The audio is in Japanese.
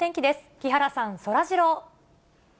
木原さん、そらジロー。